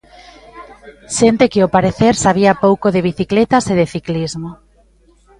Xente que ao parecer sabía pouco de bicicletas e de ciclismo.